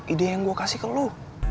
ide yang gue kasih ke lu